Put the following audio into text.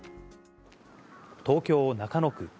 東京・中野区。